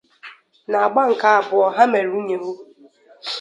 N’agba nke abụọ ya ha mere ụnyehụ